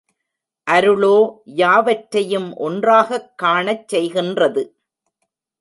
அருளோ யாவற்றையும் ஒன்றாகக் காணச் செய்கின்றது.